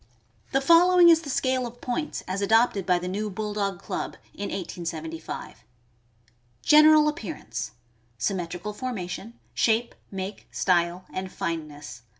The following is the scale of points as adopted by the New Bulldog Club in 1875: General appearance. — Symmetrical formation ; shape, make, style, and fineness.